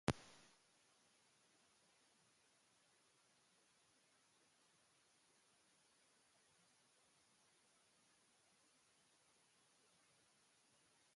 Cell cycle regulation and division are crucial for growth and development of any cell.